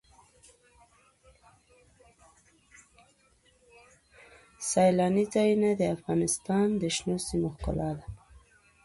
سیلانی ځایونه د افغانستان د شنو سیمو ښکلا ده.